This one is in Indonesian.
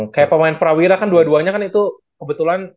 kayak pemain prawira kan dua duanya kan itu kebetulan